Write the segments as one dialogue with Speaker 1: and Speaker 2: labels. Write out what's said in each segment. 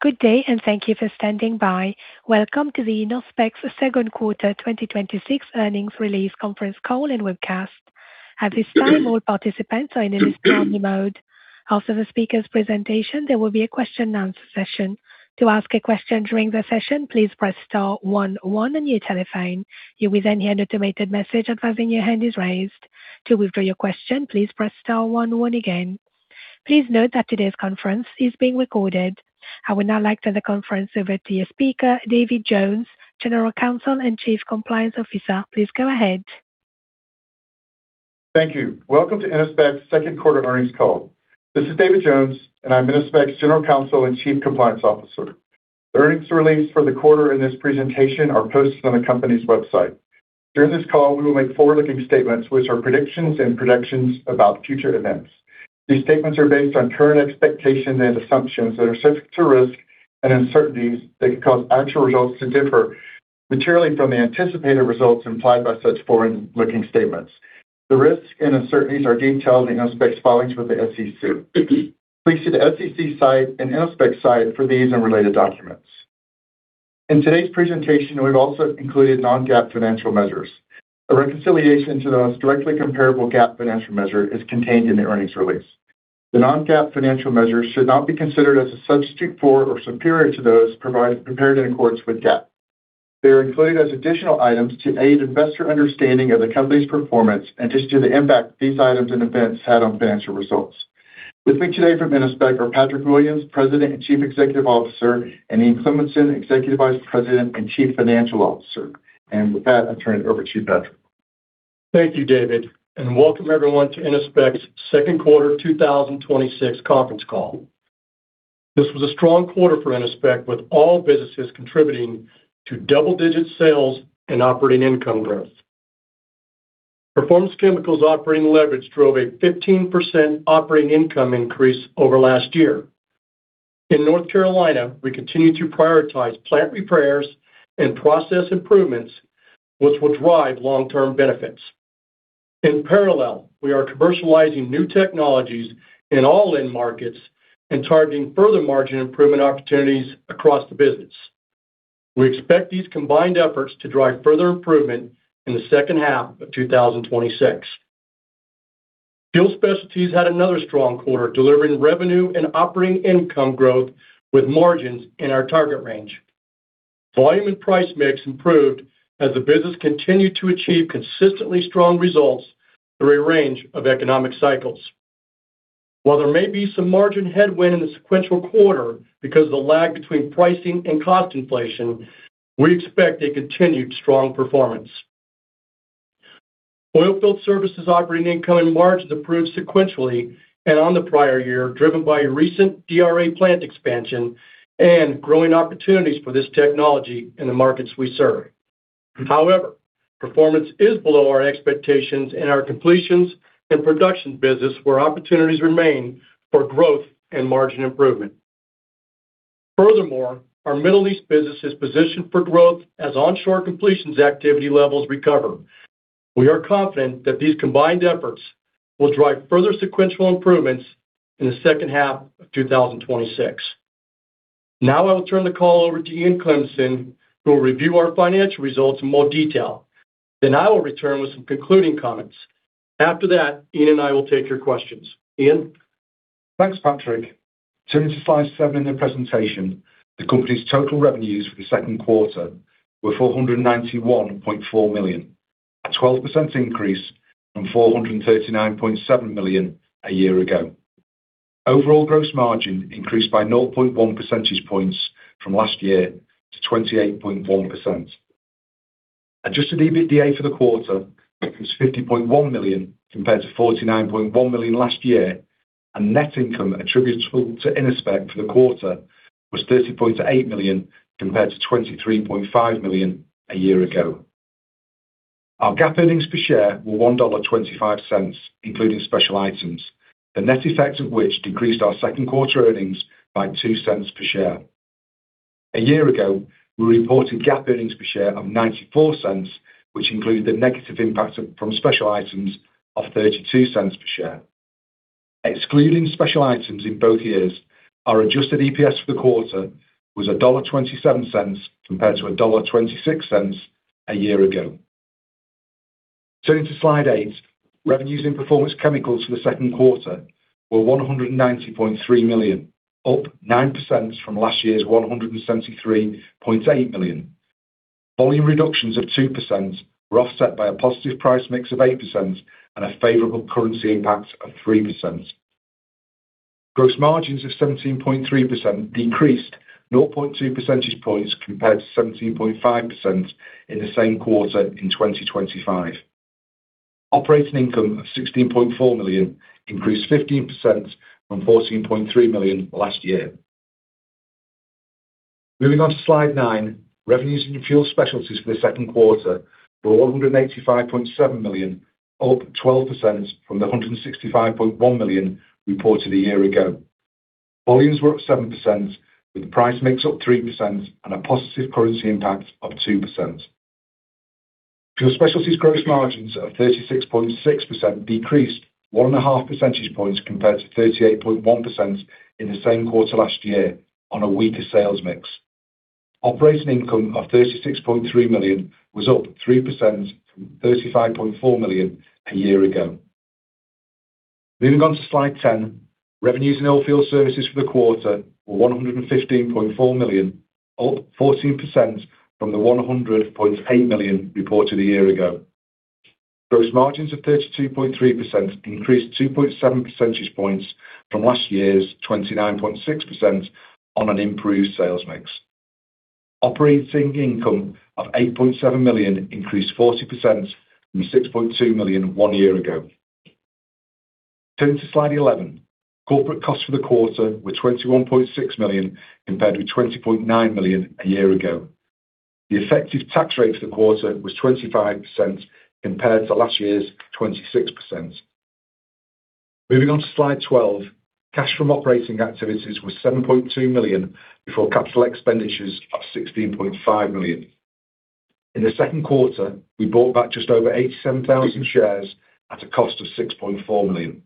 Speaker 1: Good day, and thank you for standing by. Welcome to Innospec's second quarter 2026 earnings release conference call and webcast. At this time, all participants are in a listen-only mode. After the speaker's presentation, there will be a question and answer session. To ask a question during the session, please press star one one on your telephone. You will then hear an automated message advising your hand is raised. To withdraw your question, please press star one one again. Please note that today's conference is being recorded. I would now like to turn the conference over to your speaker, David Jones, General Counsel and Chief Compliance Officer. Please go ahead.
Speaker 2: Thank you. Welcome to Innospec's second quarter earnings call. This is David Jones, and I'm Innospec's General Counsel and Chief Compliance Officer. The earnings release for the quarter and this presentation are posted on the company's website. During this call, we will make forward-looking statements, which are predictions and projections about future events. These statements are based on current expectations and assumptions that are subject to risks and uncertainties that could cause actual results to differ materially from the anticipated results implied by such forward-looking statements. The risks and uncertainties are detailed in Innospec's filings with the SEC. Please see the SEC site and Innospec site for these and related documents. In today's presentation, we've also included non-GAAP financial measures. A reconciliation to those directly comparable GAAP financial measures is contained in the earnings release. The non-GAAP financial measures should not be considered as a substitute for or superior to those prepared in accordance with GAAP. They are included as additional items to aid investor understanding of the company's performance and to show the impact these items and events had on financial results. With me today from Innospec are Patrick Williams, President and Chief Executive Officer, and Ian Cleminson, Executive Vice President and Chief Financial Officer. With that, I turn it over to you, Patrick.
Speaker 3: Thank you, David, and welcome everyone to Innospec's second quarter 2026 conference call. This was a strong quarter for Innospec, with all businesses contributing to double-digit sales and operating income growth. Performance Chemicals operating leverage drove a 15% operating income increase over last year. In North Carolina, we continue to prioritize plant repairs and process improvements, which will drive long-term benefits. In parallel, we are commercializing new technologies in all end markets and targeting further margin improvement opportunities across the business. We expect these combined efforts to drive further improvement in the second half of 2026. Fuel Specialties had another strong quarter, delivering revenue and operating income growth, with margins in our target range. Volume and price mix improved as the business continued to achieve consistently strong results through a range of economic cycles. While there may be some margin headwind in the sequential quarter because of the lag between pricing and cost inflation, we expect a continued strong performance. Oilfield Services operating income and margins improved sequentially and on the prior year, driven by a recent DRA plant expansion and growing opportunities for this technology in the markets we serve. However, performance is below our expectations in our completions and production business, where opportunities remain for growth and margin improvement. Furthermore, our Middle East business is positioned for growth as onshore completions activity levels recover. We are confident that these combined efforts will drive further sequential improvements in the second half of 2026. I will turn the call over to Ian Cleminson, who will review our financial results in more detail. Then I will return with some concluding comments. After that, Ian and I will take your questions. Ian?
Speaker 4: Thanks, Patrick. Turning to slide seven in the presentation, the company's total revenues for the second quarter were $491.4 million, a 12% increase from $439.7 million a year ago. Overall gross margin increased by 0.1 percentage points from last year to 28.1%. Adjusted EBITDA for the quarter was $50.1 million compared to $49.1 million last year, and net income attributable to Innospec for the quarter was $30.8 million compared to $23.5 million a year ago. Our GAAP earnings per share were $1.25, including special items, the net effect of which decreased our second-quarter earnings by $0.02 per share. A year ago, we reported GAAP earnings per share of $0.94, which include the negative impact from special items of $0.32 per share. Excluding special items in both years, our adjusted EPS for the quarter was $1.27 compared to $1.26 a year ago. Turning to slide eight, revenues in Performance Chemicals for the second quarter were $190.3 million, up 9% from last year's $173.8 million. Volume reductions of 2% were offset by a positive price mix of 8% and a favorable currency impact of 3%. Gross margins of 17.3% decreased 0.2 percentage points compared to 17.5% in the same quarter in 2025. Operating income of $16.4 million increased 15% from $14.3 million last year. Moving on to slide nine, revenues in Fuel Specialties for the second quarter were $185.7 million, up 12% from the $165.1 million reported a year ago. Volumes were up 7%, with the price mix up 3% and a positive currency impact of 2%. Fuel Specialties' gross margins of 36.6% decreased one and a half percentage points compared to 38.1% in the same quarter last year on a weaker sales mix. Operating income of $36.3 million was up 3% from $35.4 million a year ago. Moving on to slide 10, revenues in Oilfield Services for the quarter were $115.4 million, up 14% from the $100.8 million reported a year ago. Gross margins of 32.3% increased 2.7 percentage points from last year's 29.6% on an improved sales mix. Operating income of $8.7 million increased 40% from $6.2 million one year ago. Turning to slide 11, corporate costs for the quarter were $21.6 million, compared with $20.9 million a year ago. The effective tax rate for the quarter was 25% compared to last year's 26%. Moving on to slide 12, cash from operating activities was $7.2 million before capital expenditures of $16.5 million. In the second quarter, we bought back just over 87,000 shares at a cost of $6.4 million.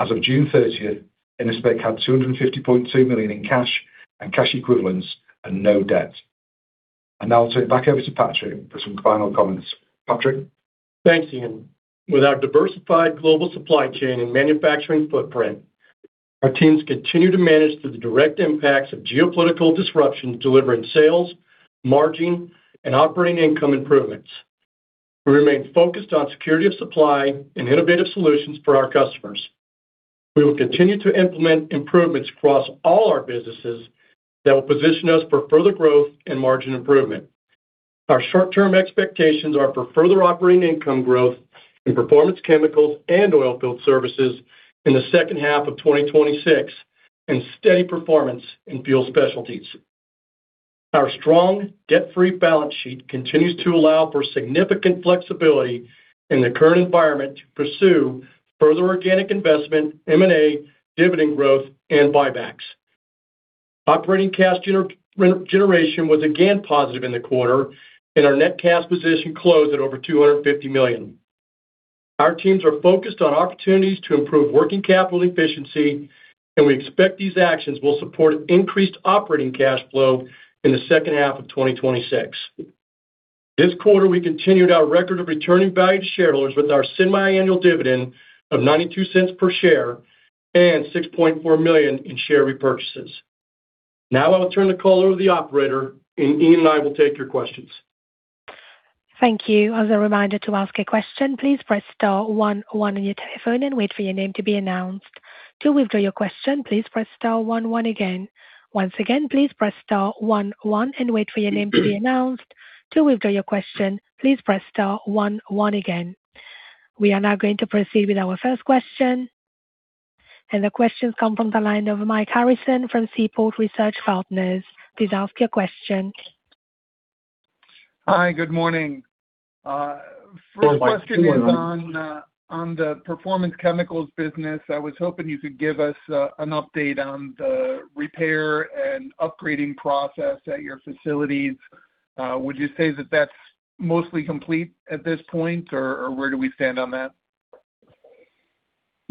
Speaker 4: As of June 30th, Innospec had $250.2 million in cash and cash equivalents and no debt. Now I'll turn it back over to Patrick for some final comments. Patrick?
Speaker 3: Thanks, Ian. With our diversified global supply chain and manufacturing footprint, our teams continue to manage through the direct impacts of geopolitical disruptions, delivering sales, margin, and operating income improvements. We remain focused on security of supply and innovative solutions for our customers. We will continue to implement improvements across all our businesses that will position us for further growth and margin improvement. Our short-term expectations are for further operating income growth in Performance Chemicals and Oilfield Services in the second half of 2026 and steady performance in Fuel Specialties. Our strong, debt-free balance sheet continues to allow for significant flexibility in the current environment to pursue further organic investment, M&A, dividend growth, and buybacks. Operating cash generation was again positive in the quarter, and our net cash position closed at over $250 million. Our teams are focused on opportunities to improve working capital efficiency, and we expect these actions will support increased operating cash flow in the second half of 2026. This quarter, we continued our record of returning value to shareholders with our semiannual dividend of $0.92 per share and $6.4 million in share repurchases. I will turn the call over to the operator, and Ian and I will take your questions.
Speaker 1: Thank you. As a reminder to ask a question, please press star one one on your telephone and wait for your name to be announced. To withdraw your question, please press star one one again. Once again, please press star one one and wait for your name to be announced. To withdraw your question, please press star one one again. We are now going to proceed with our first question, the question's come from the line of Mike Harrison from Seaport Research Partners. Please ask your question.
Speaker 5: Hi. Good morning.
Speaker 3: Go ahead, Mike.
Speaker 5: First question is on the Performance Chemicals business. I was hoping you could give us an update on the repair and upgrading process at your facilities. Would you say that that's mostly complete at this point, or where do we stand on that?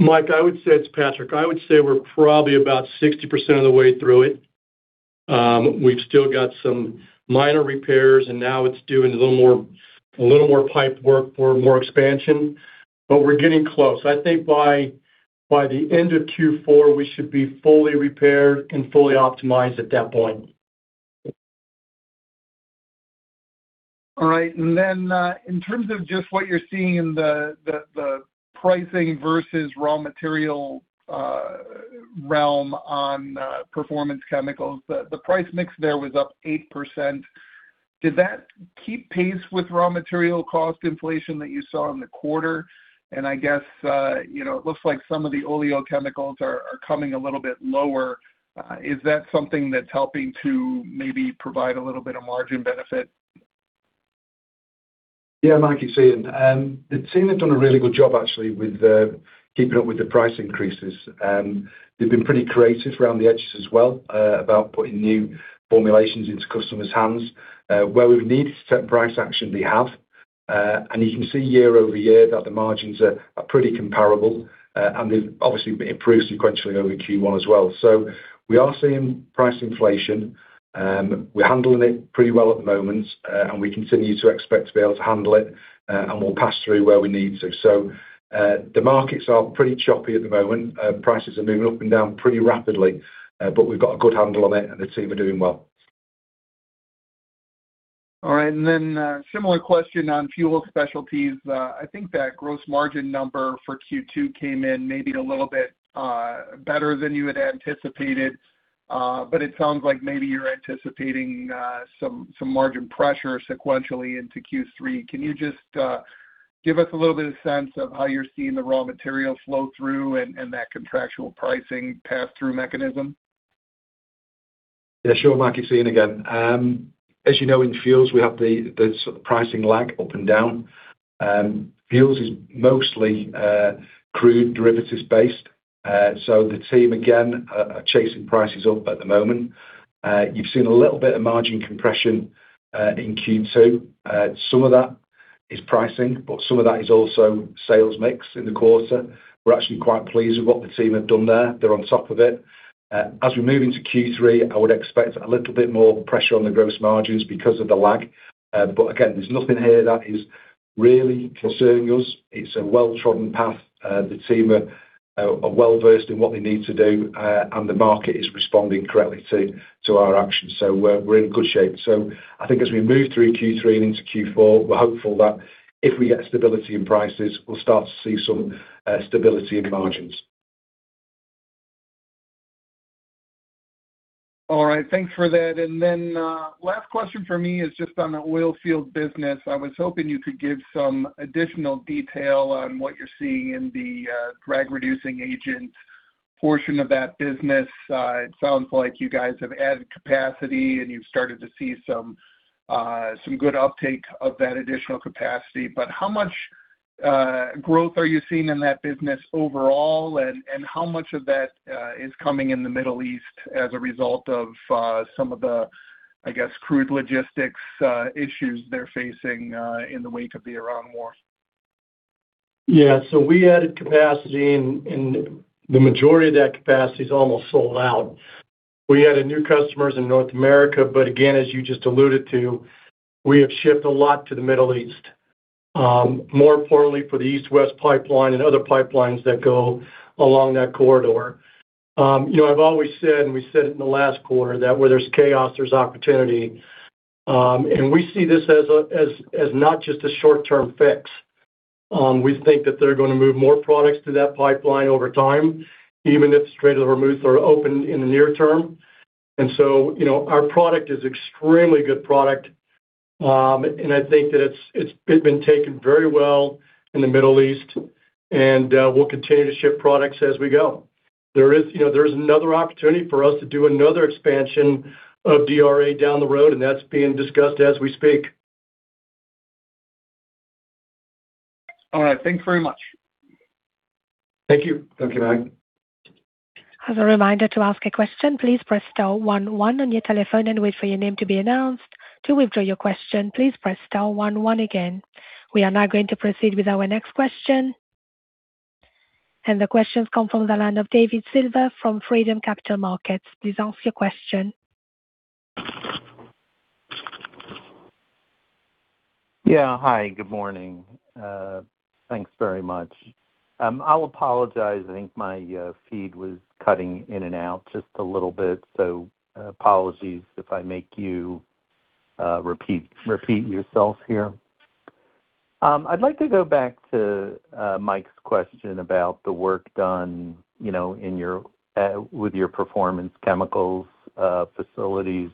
Speaker 3: Mike, it's Patrick. I would say we're probably about 60% of the way through it. We've still got some minor repairs, and now it's doing a little more pipe work for more expansion, but we're getting close. I think by the end of Q4, we should be fully repaired and fully optimized at that point.
Speaker 5: All right. In terms of just what you're seeing in the pricing versus raw material realm on Performance Chemicals, the price mix there was up 8%. Did that keep pace with raw material cost inflation that you saw in the quarter? It looks like some of the oleochemicals are coming a little bit lower. Is that something that's helping to maybe provide a little bit of margin benefit?
Speaker 4: Yeah, Mike, it's Ian. The team have done a really good job, actually, with keeping up with the price increases. They've been pretty creative around the edges as well about putting new formulations into customers' hands. Where we've needed certain price action, we have. You can see year-over-year that the margins are pretty comparable, and they've obviously improved sequentially over Q1 as well. We are seeing price inflation. We're handling it pretty well at the moment, and we continue to expect to be able to handle it, and we'll pass through where we need to. The markets are pretty choppy at the moment. Prices are moving up and down pretty rapidly; we've got a good handle on it, and the team are doing well.
Speaker 5: All right, a similar question on Fuel Specialties. I think that gross margin number for Q2 came in maybe a little bit better than you had anticipated; it sounds like maybe you're anticipating some margin pressure sequentially into Q3. Can you just give us a little bit of sense of how you're seeing the raw material flow through and that contractual pricing pass-through mechanism?
Speaker 4: Yeah, sure, Mike. It's Ian again. As you know, in Fuels, we have the pricing lag up and down. Fuels is mostly crude derivatives-based. The team, again, are chasing prices up at the moment. You've seen a little bit of margin compression in Q2. Some of that is pricing; some of that is also sales mix in the quarter. We're actually quite pleased with what the team have done there. They're on top of it. As we move into Q3, I would expect a little bit more pressure on the gross margins because of the lag. Again, there's nothing here that is really concerning us. It's a well-trodden path. The team are well-versed in what they need to do, and the market is responding correctly to our actions. We're in good shape. I think as we move through Q3 and into Q4, we're hopeful that if we get stability in prices, we'll start to see some stability in margins.
Speaker 5: All right. Thanks for that. Last question from me is just on the Oilfield business. I was hoping you could give some additional detail on what you're seeing in the drag-reducing agent portion of that business. It sounds like you guys have added capacity, and you've started to see some good uptake of that additional capacity. How much growth are you seeing in that business overall, and how much of that is coming in the Middle East as a result of some of the, I guess, crude logistics issues they're facing in the wake of the Iran war?
Speaker 3: Yeah. We added capacity, and the majority of that capacity is almost sold out. We added new customers in North America; again, as you just alluded to, we have shipped a lot to the Middle East. More importantly for the East-West pipeline and other pipelines that go along that corridor. I've always said, and we said it in the last quarter, that where there's chaos, there's opportunity. We see this as not just a short-term fix. We think that they're going to move more products to that pipeline over time, even if the Strait of Hormuz are open in the near term. Our product is extremely good product. I think that it's been taken very well in the Middle East, and we'll continue to ship products as we go. There is another opportunity for us to do another expansion of DRA down the road that's being discussed as we speak.
Speaker 5: All right. Thank you very much.
Speaker 3: Thank you.
Speaker 4: Thank you, Mike.
Speaker 1: As a reminder, to ask a question, please press star one one on your telephone and wait for your name to be announced. To withdraw your question, please press star one one again. We are now going to proceed with our next question. The question comes from the line of David Silver from Freedom Capital Markets. Please ask your question.
Speaker 6: Yeah. Hi, good morning. Thanks very much. I'll apologize. I think my feed was cutting in and out just a little bit, so apologies if I make you repeat yourself here. I'd like to go back to Mike's question about the work done with your Performance Chemicals facilities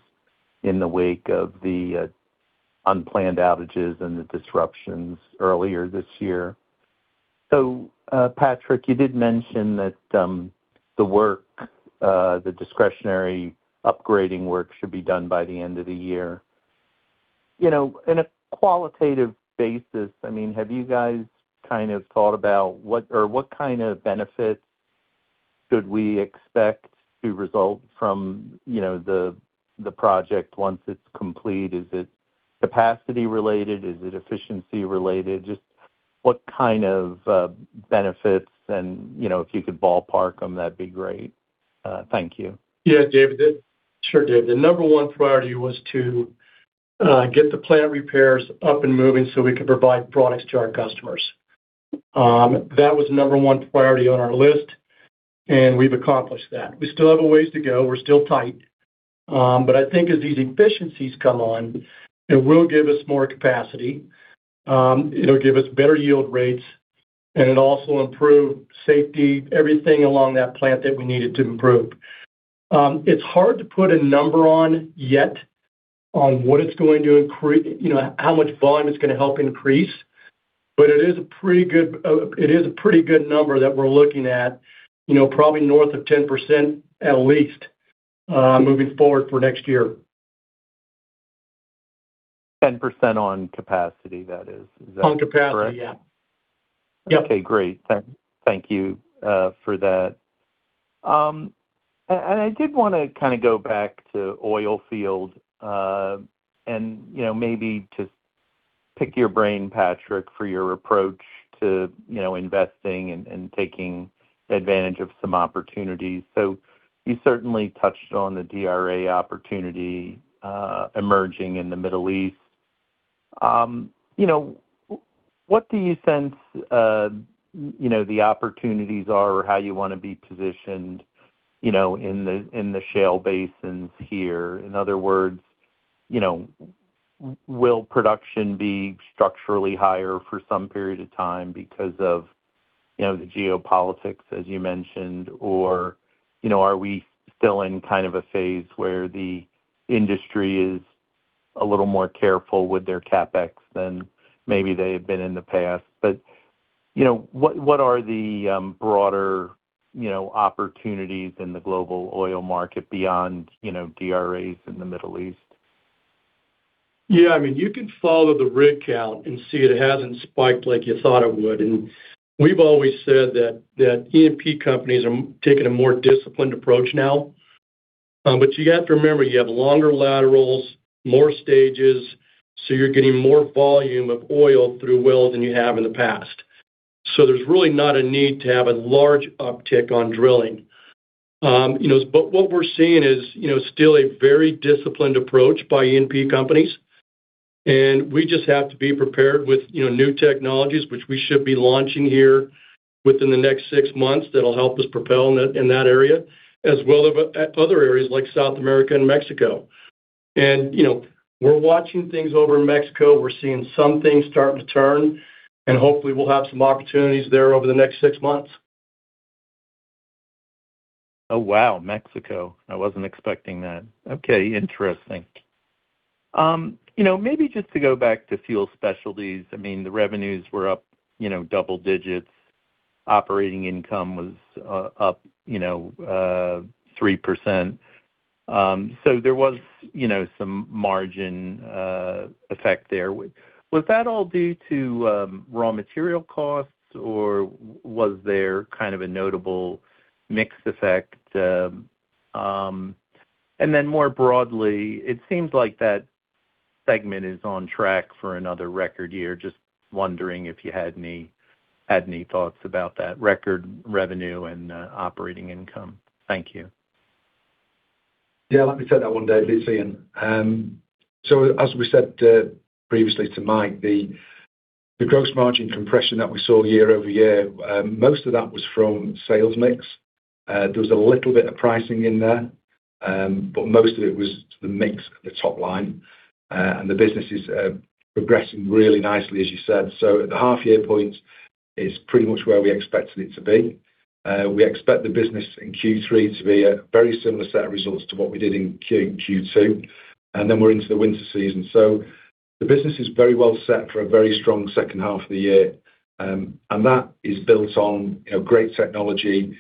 Speaker 6: in the wake of the unplanned outages and the disruptions earlier this year. Patrick, you did mention that the discretionary upgrading work should be done by the end of the year. In a qualitative basis, have you guys thought about what kind of benefits should we expect to result from the project once it's complete? Is it capacity related? Is it efficiency related? Just what kind of benefits, and if you could ballpark them, that'd be great. Thank you.
Speaker 3: Yeah, David. Sure, David. The number one priority was to get the plant repairs up and moving so we could provide products to our customers. That was the number one priority on our list, and we've accomplished that. We still have a ways to go. We're still tight. I think as these efficiencies come on, it will give us more capacity. It'll give us better yield rates, and it'll also improve safety, everything along that plant that we needed to improve. It's hard to put a number on yet on how much volume it's going to help increase. It is a pretty good number that we're looking at, probably north of 10% at least, moving forward for next year.
Speaker 6: 10% on capacity, that is. Is that correct?
Speaker 3: On capacity, yeah.
Speaker 6: Okay, great. Thank you for that. I did want to go back to Oilfield and maybe just pick your brain, Patrick, for your approach to investing and taking advantage of some opportunities. You certainly touched on the DRA opportunity emerging in the Middle East. What do you sense the opportunities are or how you want to be positioned in the shale basins here? In other words, will production be structurally higher for some period of time because of the geopolitics, as you mentioned, or are we still in a phase where the industry is a little more careful with their CapEx than maybe they have been in the past? What are the broader opportunities in the global oil market beyond DRAs in the Middle East?
Speaker 3: Yeah, you can follow the rig count and see it hasn't spiked like you thought it would. We've always said that E&P companies are taking a more disciplined approach now. You have to remember, you have longer laterals, more stages; you're getting more volume of oil through wells than you have in the past. There's really not a need to have a large uptick on drilling. What we're seeing is still a very disciplined approach by E&P companies, and we just have to be prepared with new technologies, which we should be launching here within the next six months. That'll help us propel in that area, as well as other areas like South America and Mexico. We're watching things over in Mexico. We're seeing some things starting to turn, and hopefully we'll have some opportunities there over the next six months.
Speaker 6: Oh, wow, Mexico. I wasn't expecting that. Okay, interesting. Maybe just to go back to Fuel Specialties. The revenues were up double digits. Operating income was up 3%. There was some margin effect there. Was that all due to raw material costs, or was there kind of a notable mix effect? More broadly, it seems like that segment is on track for another record year. Just wondering if you had any thoughts about that record revenue and operating income. Thank you.
Speaker 4: Yeah, let me take that one, David. It's Ian. As we said previously to Mike, the gross margin compression that we saw year-over-year, most of that was from sales mix. There was a little bit of pricing in there; most of it was the mix at the top line. The business is progressing really nicely, as you said. At the half-year point, it's pretty much where we expected it to be. We expect the business in Q3 to be a very similar set of results to what we did in Q2; we're into the winter season. The business is very well set for a very strong second half of the year. That is built on great technology,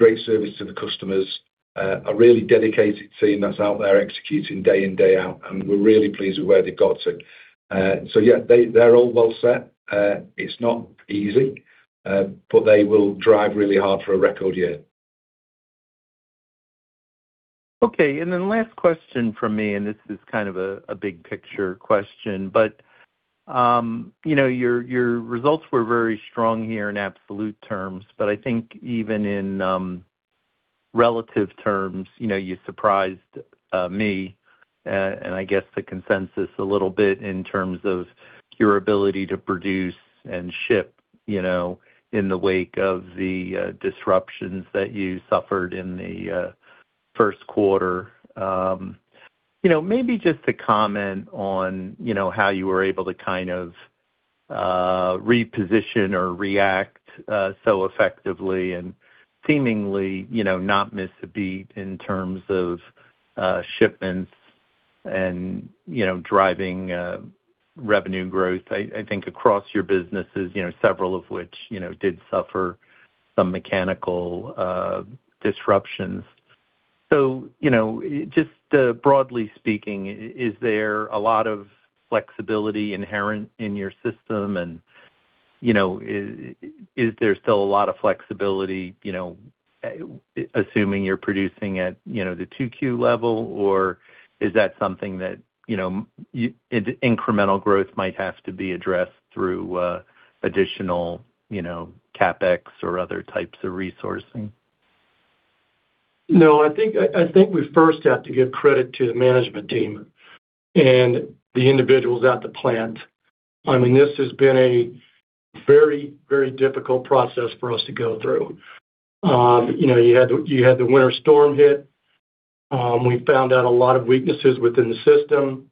Speaker 4: great service to the customers, a really dedicated team that's out there executing day in, day out, and we're really pleased with where they got to. Yeah, they're all well set. It's not easy, but they will drive really hard for a record year.
Speaker 6: Last question from me, and this is kind of a big picture question, but your results were very strong here in absolute terms, but I think even in relative terms, you surprised me, and I guess the consensus a little bit in terms of your ability to produce and ship in the wake of the disruptions that you suffered in the first quarter. Maybe just a comment on how you were able to kind of reposition or react so effectively and seemingly not miss a beat in terms of shipments and driving revenue growth, I think across your businesses, several of which did suffer some mechanical disruptions. Just broadly speaking, is there a lot of flexibility inherent in your system, and is there still a lot of flexibility, assuming you're producing at the 2Q level, or is that something that incremental growth might have to be addressed through additional CapEx or other types of resourcing?
Speaker 3: I think we first have to give credit to the management team and the individuals at the plant. This has been a very difficult process for us to go through. You had the winter storm hit. We found out a lot of weaknesses within the system.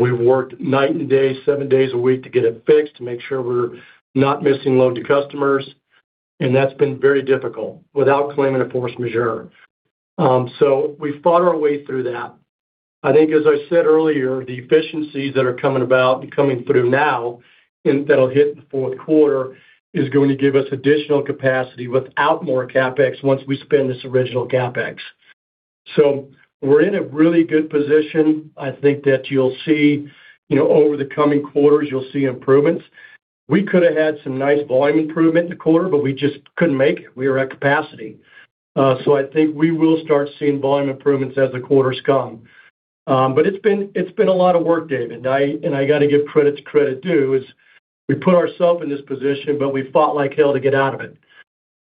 Speaker 3: We worked night and day, seven days a week, to get it fixed, to make sure we're not missing loads to customers. That's been very difficult without claiming a force majeure. We fought our way through that. I think, as I said earlier, the efficiencies that are coming about and coming through now and that'll hit the fourth quarter, is going to give us additional capacity without more CapEx once we spend this original CapEx. We're in a really good position. I think that you'll see over the coming quarters; you'll see improvements We could have had some nice volume improvement in the quarter, but we just couldn't make it. We were at capacity. I think we will start seeing volume improvements as the quarters come. It's been a lot of work, David, and I got to give credit to credit due is we put ourselves in this position, but we fought like hell to get out of it.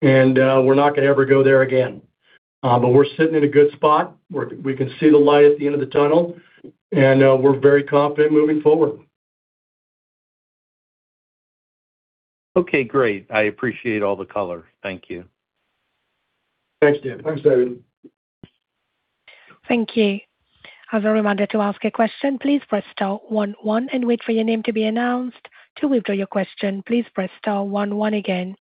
Speaker 3: We're not going to ever go there again. We're sitting in a good spot. We can see the light at the end of the tunnel, and we're very confident moving forward.
Speaker 6: Okay, great. I appreciate all the color. Thank you.
Speaker 3: Thanks, David.
Speaker 1: Thank you. As a reminder to ask a question, please press star one one and wait for your name to be announced. To withdraw your question, please press star one one again.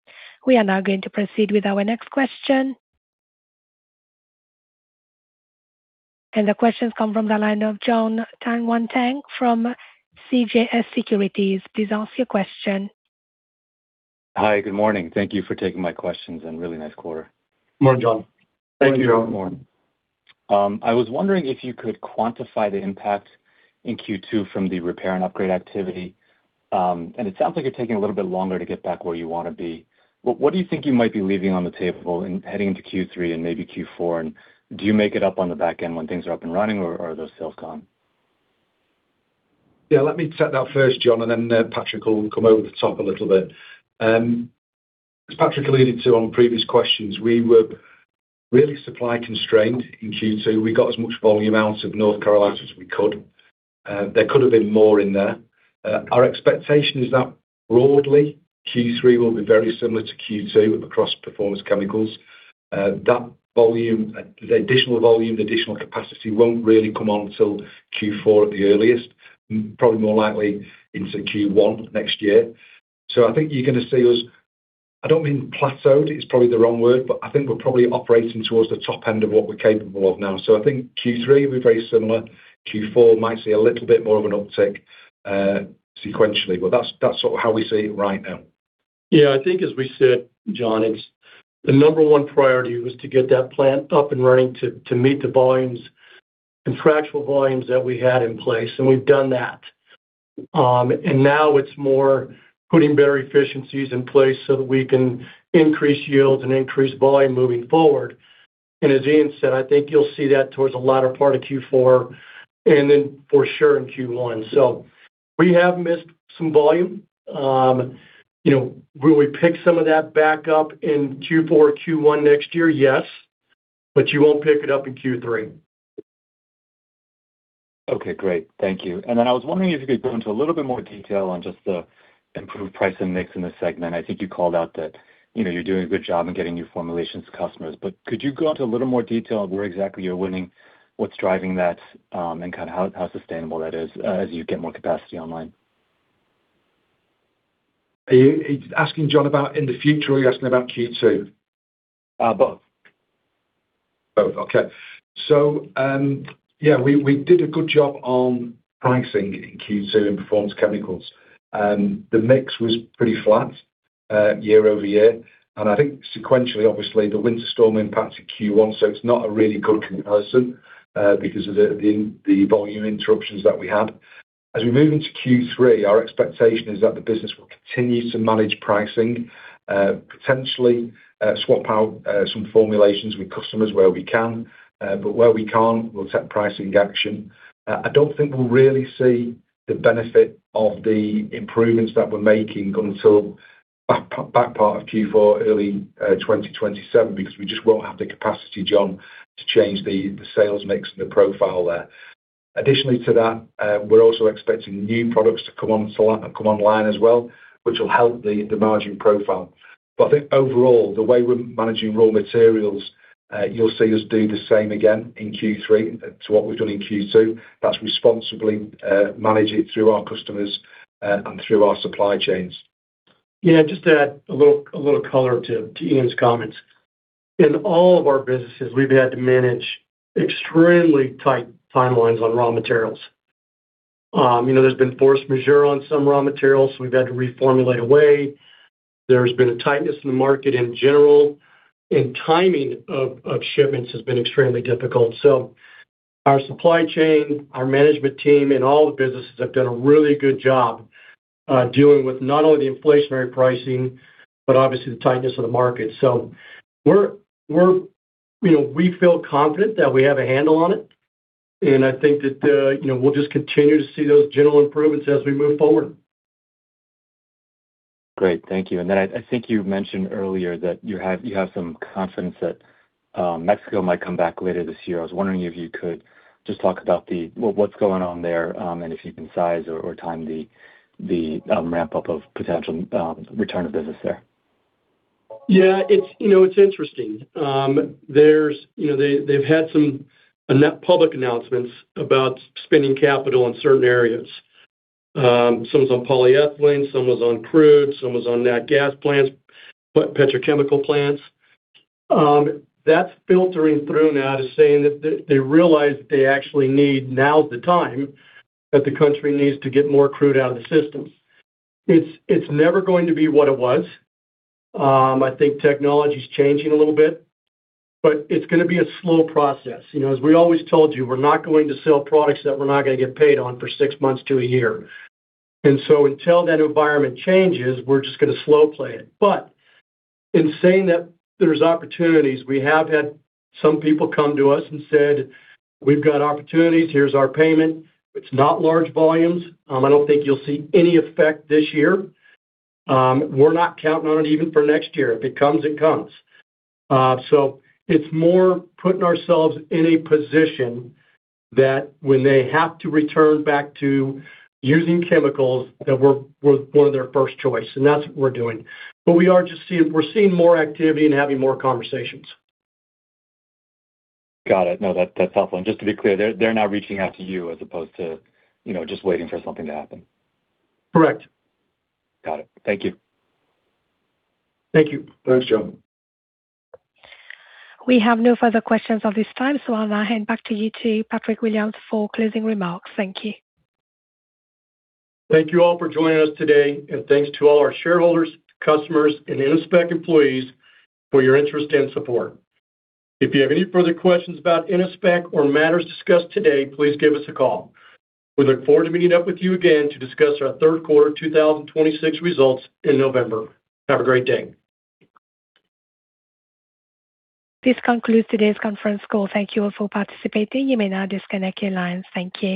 Speaker 1: We are now going to proceed with our next question. The question comes from the line of Jon Tanwanteng from CJS Securities. Please ask your question.
Speaker 7: Hi, good morning. Thank you for taking my questions, and really nice quarter.
Speaker 3: Good morning, Jon.
Speaker 7: Thank you.
Speaker 4: Good morning.
Speaker 7: I was wondering if you could quantify the impact in Q2 from the repair and upgrade activity. It sounds like you're taking a little bit longer to get back where you want to be. What do you think you might be leaving on the table in heading into Q3 and maybe Q4, and do you make it up on the back end when things are up and running, or are those sales gone?
Speaker 4: Yeah, let me take that first, Jon; then Patrick will come over the top a little bit. As Patrick alluded to on previous questions, we were really supply-constrained in Q2. We got as much volume out of North Carolina as we could. There could have been more in there. Our expectation is that broadly, Q3 will be very similar to Q2 across Performance Chemicals. The additional volume, the additional capacity won't really come on till Q4 at the earliest, probably more likely into Q1 next year. I think you're going to see us, I don't mean plateaued, it's probably the wrong word, but I think we're probably operating towards the top end of what we're capable of now. I think Q3 will be very similar. Q4 might see a little bit more of an uptick, sequentially. That's sort of how we see it right now.
Speaker 3: Yeah, I think as we said, Jon, the number one priority was to get that plant up and running to meet the contractual volumes that we had in place, and we've done that. Now it's more putting better efficiencies in place so that we can increase yield and increase volume moving forward. As Ian said, I think you'll see that towards the latter part of Q4 and then for sure in Q1. We have missed some volume. Will we pick some of that back up in Q4, Q1 next year? Yes. You won't pick it up in Q3.
Speaker 7: Okay, great. Thank you. I was wondering if you could go into a little bit more detail on just the improved price and mix in this segment. I think you called out that you're doing a good job in getting new formulations to customers. Could you go into a little more detail on where exactly you're winning, what's driving that, and how sustainable that is as you get more capacity online?
Speaker 4: Are you asking, Jon, about in the future, or are you asking about Q2?
Speaker 7: Both.
Speaker 4: Yeah, we did a good job on pricing in Q2 in Performance Chemicals. The mix was pretty flat year-over-year. I think sequentially, obviously, the winter storm impacted Q1, so it's not a really good comparison because of the volume interruptions that we had. As we move into Q3, our expectation is that the business will continue to manage pricing, potentially swap out some formulations with customers where we can. Where we can't, we'll take pricing action. I don't think we'll really see the benefit of the improvements that we're making until back part of Q4, early 2027, because we just won't have the capacity, Jon, to change the sales mix and the profile there. Additionally to that, we're also expecting new products to come online as well, which will help the margin profile. I think overall, the way we're managing raw materials, you'll see us do the same again in Q3 to what we've done in Q2. That's responsibly manage it through our customers and through our supply chains.
Speaker 3: Yeah, just to add a little color to Ian's comments. In all of our businesses, we've had to manage extremely tight timelines on raw materials. There's been force majeure on some raw materials, we've had to reformulate a way. There's been a tightness in the market in general, timing of shipments has been extremely difficult. Our supply chain, our management team, and all the businesses have done a really good job dealing with not only the inflationary pricing, but obviously the tightness of the market. We feel confident that we have a handle on it, I think that we'll just continue to see those general improvements as we move forward.
Speaker 7: Great. Thank you. I think you mentioned earlier that you have some confidence that Mexico might come back later this year. I was wondering if you could just talk about what's going on there, and if you can size or time the ramp-up of potential return of business there.
Speaker 3: Yeah, it's interesting. They've had some public announcements about spending capital in certain areas. Some was on polyethylene, some was on crude, some was on nat gas plants, petrochemical plants. That's filtering through now to saying that they realize that they actually need, now's the time that the country needs to get more crude out of the system. It's never going to be what it was. I think technology's changing a little bit, but it's going to be a slow process. As we always told you, we're not going to sell products that we're not going to get paid on for six months to a year. Until that environment changes, we're just going to slow-play it. In saying that there's opportunities, we have had some people come to us and said, "We've got opportunities. Here's our payment." It's not large volumes. I don't think you'll see any effect this year. We're not counting on it even for next year. If it comes, it comes. It's more putting ourselves in a position that when they have to return back to using chemicals, that we're one of their first choice, and that's what we're doing. We're seeing more activity and having more conversations.
Speaker 7: Got it. No, that's helpful. Just to be clear, they're now reaching out to you as opposed to just waiting for something to happen.
Speaker 3: Correct.
Speaker 7: Got it. Thank you.
Speaker 3: Thank you.
Speaker 4: Thanks, Jon.
Speaker 1: We have no further questions at this time. I'll now hand back to you to Patrick Williams, for closing remarks. Thank you.
Speaker 3: Thank you all for joining us today, and thanks to all our shareholders, customers, and Innospec employees for your interest and support. If you have any further questions about Innospec or matters discussed today, please give us a call. We look forward to meeting up with you again to discuss our third quarter 2026 results in November. Have a great day.
Speaker 1: This concludes today's conference call. Thank you all for participating. You may now disconnect your lines. Thank you.